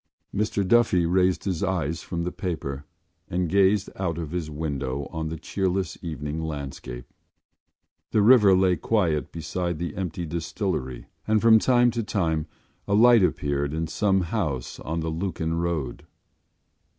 Mr Duffy raised his eyes from the paper and gazed out of his window on the cheerless evening landscape. The river lay quiet beside the empty distillery and from time to time a light appeared in some house on the Lucan road.